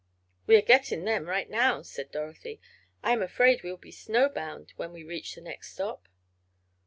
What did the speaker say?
"We are getting them right now," said Dorothy. "I am afraid we will be snowbound when we reach the next stop."